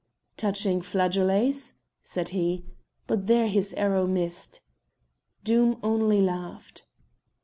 "Touching flageolets?" said he, but there his arrow missed. Doom only laughed.